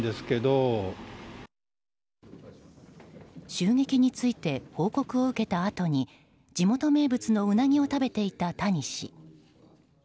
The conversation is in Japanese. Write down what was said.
襲撃について報告を受けたあとに地元名物のウナギを食べていた谷氏。